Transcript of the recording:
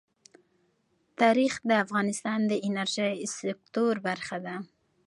تاریخ د افغانستان د انرژۍ سکتور برخه ده.